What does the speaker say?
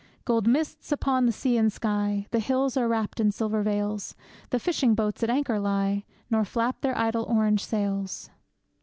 Gold mists upon the sea and sky, The hills are wrapped in silver veils, The fishing boats at anchor lie, Nor flap their idle orange sails.